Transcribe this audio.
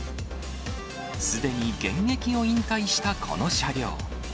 すでに現役を引退したこの車両。